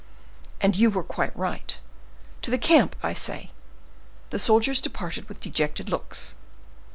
"And you were quite right. To the camp, I say." The soldiers departed with dejected looks.